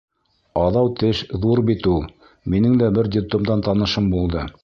Аҙау теш ҙур бит ул. Минең дә бер детдомдан танышым булды.